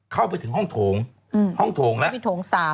เข้าไปถึงห้องโถงครั้ง๔แล้ว